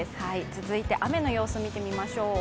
続いて雨の様子見ていきましょう。